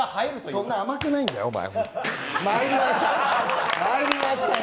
そんな甘くないんだよ、お前。